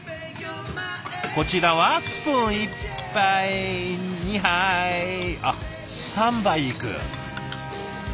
こちらはスプーン１杯２杯あっ３杯いく？